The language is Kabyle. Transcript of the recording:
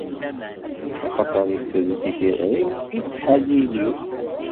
Axaṭer isell-d i tiɣri-w, i ttḥalil-iw.